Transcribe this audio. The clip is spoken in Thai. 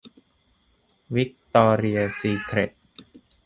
- วิคตอเรียซีเคร็ท